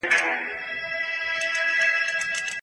آیا قانون حاکمیت تر انارشۍ ښه دی؟